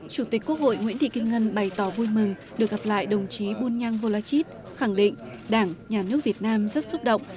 chủ tịch quốc hội nguyễn thị kim ngân bày tỏ vui mừng được gặp lại đồng chí bunyang volachit khẳng định đảng nhà nước việt nam rất xúc động